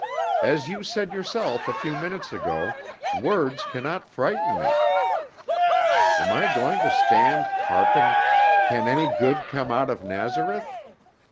As you said yourself a few minutes ago, words cannot frighten me. Am I going to stand carping, 'Can any good come out of Nazareth?'